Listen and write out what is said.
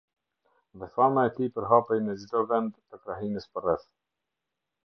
Dhe fama e tij përhapej në çdo vend të krahinës përreth.